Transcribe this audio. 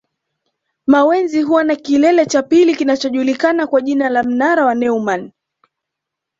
Mawenzi huwa na kilele cha pili kinachojulikana kwa jina la mnara wa Neumann